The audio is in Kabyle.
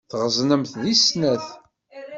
Tɣeẓnemt deg snat.